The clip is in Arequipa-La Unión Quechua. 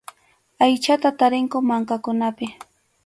Aychata tarinku mankakunapi.